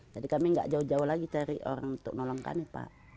jadi kami gak jauh jauh lagi cari orang untuk nolong kami pak